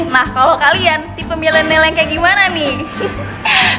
nah kalau kalian tipe milenial yang kayak gimana nih